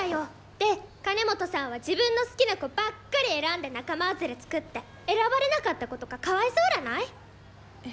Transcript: で金本さんは自分の好きな子ばっかり選んで仲間外れ作って選ばれなかった子とかかわいそうらない？え。